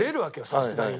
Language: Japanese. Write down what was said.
さすがに。